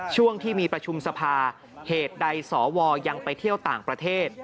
ช่วงที่มีประชุมสภาเหตุใดสวยังไปเที่ยวต่างประเทศ